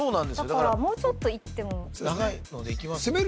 だからもうちょっといっても長いのでいきます？